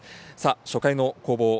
初回の攻防